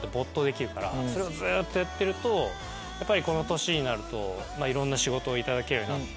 それをずっとやってるとやっぱりこの年になるとまぁいろんな仕事を頂けるようになって。